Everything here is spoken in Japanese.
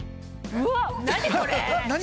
うわっ！